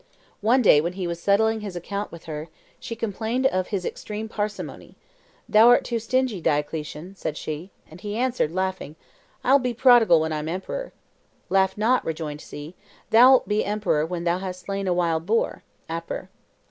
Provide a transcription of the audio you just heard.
One day when he was settling his account with her, she complained of his extreme parsimony: "Thou'rt too stingy, Diocletian," said she; and he answered laughing, "I'll be prodigal when I'm emperor." "Laugh not," rejoined she: "thou'lt be emperor when thou hast slain a wild boar" (aper).